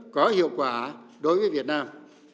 có hiệu quả đối với việt nam